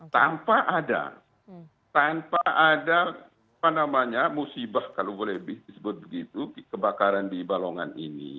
tanpa ada musibah kalau boleh disebut begitu kebakaran di balongan ini